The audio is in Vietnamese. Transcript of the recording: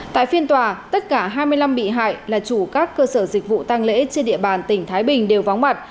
tại phiên tòa tất cả hai mươi năm bị hại là chủ các cơ sở dịch vụ tăng lễ trên địa bàn tỉnh thái bình đều vắng mặt